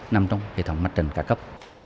nằm trong hệ thống mặt trần ca cấp